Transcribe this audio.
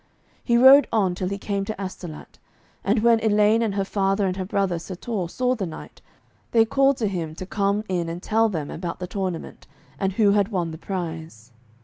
He rode on till he came to Astolat. And when Elaine and her father and her brother Sir Torre saw the knight, they called to him to come in and tell them about the tournament, and who had won the prize.